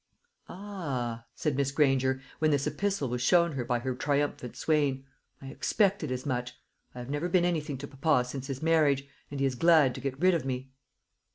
"Ah," said Miss Granger, when this epistle was shown her by her triumphant swain, "I expected as much. I have never been anything to papa since his marriage, and he is glad to get rid of me."